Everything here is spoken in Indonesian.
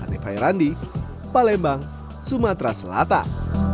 hanifah irandi palembang sumatera selatan